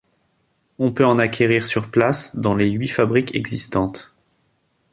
On peut en acquérir sur place dans les huit fabriques existantes.